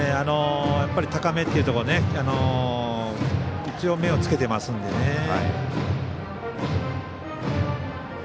高めというところ一応、目をつけてますのでね。